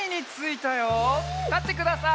たってください。